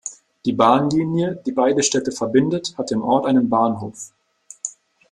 Die Bahnlinie, die beide Städte verbindet, hat im Ort einen Bahnhof.